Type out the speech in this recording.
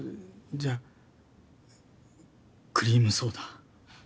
じゃあクリームソーダ。